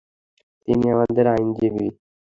তিনি আমাদের আইনজীবী।